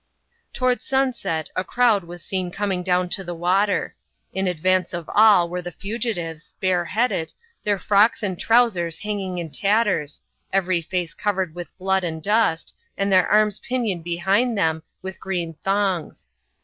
Toward sunset a crowd was seen coming down to the water. In advance of all were the fugitives — bareheaded ^ their frocks and trowsers hanging in tatters, every face covered with blood and dust, and their arms pinioned behind them with green tbongg.